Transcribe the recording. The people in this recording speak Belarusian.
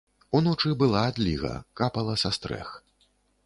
Уночы была адліга, капала са стрэх.